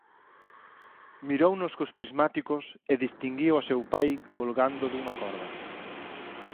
mirounos cos prismáticos e distinguiu a seu pai colgando dunha corda;